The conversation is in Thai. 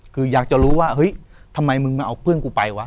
คืออยากจะรู้ว่าเฮ้ยทำไมมึงมาเอาเพื่อนกูไปวะ